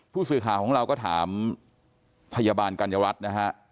ผู้สื่อข่าวของเราก็ถามพยาบาลกัญญรัฐนะฮะ